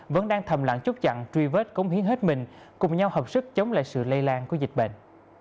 vẫn đang thầm lặng chốt chặn truy vết cống hiến hết mình cùng nhau hợp sức chống lại sự lây lan của dịch bệnh